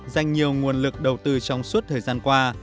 dành nhiều nguồn lực đầu tư trong suốt thời gian qua